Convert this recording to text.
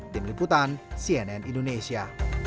tim liputan cnn indonesia